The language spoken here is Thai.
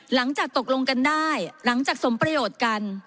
หลังจากตกลงกันได้หลังจากสมประโยชน์กัน